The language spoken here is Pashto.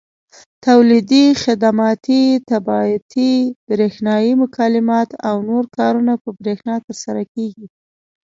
تولیدي، خدماتي، طباعتي، برېښنایي مکالمات او نور کارونه په برېښنا ترسره کېږي.